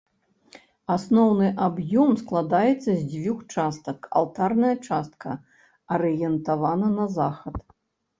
Асноўны аб'ём складаецца з дзвюх частак, алтарная частка арыентавана на захад.